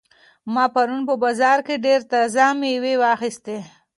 ما پرون په بازار کې ډېرې تازه مېوې واخیستې.